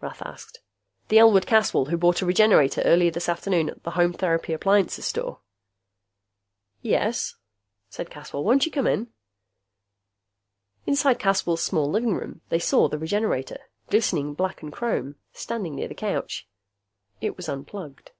Rath asked. "The Elwood Caswell who bought a Regenerator early this afternoon at the Home Therapy Appliances Store?" "Yes," said Caswell. "Won't you come in?" Inside Caswell's small living room, they saw the Regenerator, glistening black and chrome, standing near the couch. It was unplugged.